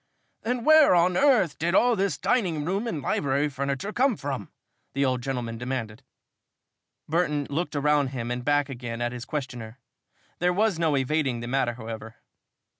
"Then where on earth did all this dining room and library furniture come from?" the old gentleman demanded. Burton looked around him and back again at his questioner. There was no evading the matter, however.